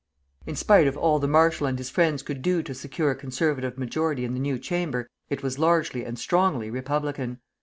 In spite of all the marshal and his friends could do to secure a Conservative majority in the new Chamber, it was largely and strongly Republican.